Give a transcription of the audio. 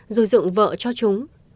rồi dựng vợ cho chúng